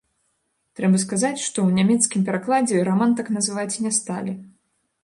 Трэба сказаць, што ў нямецкім перакладзе раман так называць не сталі.